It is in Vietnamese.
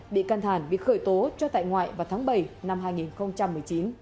bị can thản bị khởi tố cho tại ngoại vào tháng bảy năm hai nghìn một mươi chín